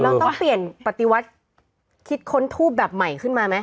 เราต้องเปลี่ยนปฏิวัติคิดค้นทูบแบบใหม่ขึ้นมาไหม